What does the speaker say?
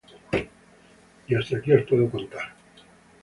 Y hasta aquí os puedo contar.